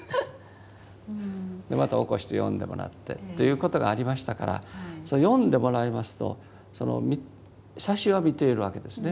でまた起こして読んでもらってということがありましたから読んでもらいますと最初は見ているわけですね。